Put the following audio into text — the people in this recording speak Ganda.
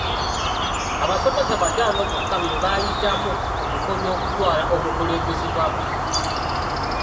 Abasomesa bataano bokka be baayitamu ku bifo by'okutwala obukulembeze bw'amasomero.